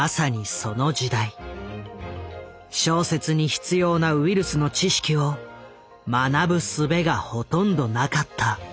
小説に必要なウイルスの知識を学ぶすべがほとんどなかった。